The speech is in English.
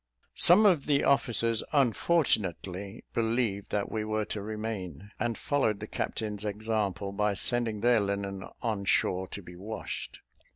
Some of the officers unfortunately believed that we were to remain, and followed the captain's example by sending their linen on shore to be washed.